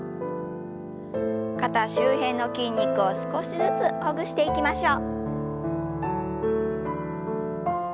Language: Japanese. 肩周辺の筋肉を少しずつほぐしていきましょう。